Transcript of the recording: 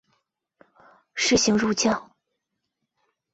士行如将。